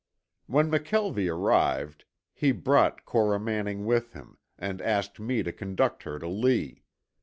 When McKelvie arrived he brought Cora Manning with him and asked me to conduct her to Lee.